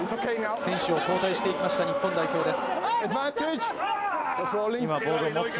選手を交代していきました日本代表です。